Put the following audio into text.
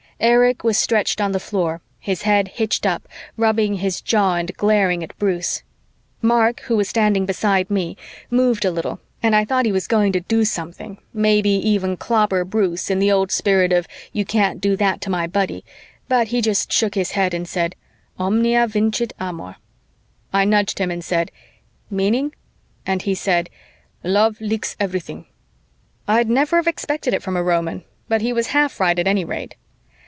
Erich was stretched on the floor, his head hitched up, rubbing his jaw and glaring at Bruce. Mark, who was standing beside me, moved a little and I thought he was going to do something, maybe even clobber Bruce in the old spirit of you can't do that to my buddy, but he just shook his head and said, "Omnia vincit amor." I nudged him and said, "Meaning?" and he said, "Love licks everything." I'd never have expected it from a Roman, but he was half right at any rate.